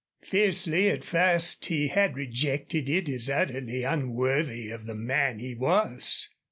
Fiercely at first he had rejected it as utterly unworthy of the man he was.